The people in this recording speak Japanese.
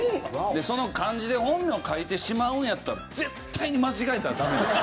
その感じで本名書いてしまうんやったら絶対に間違えたらダメですよ。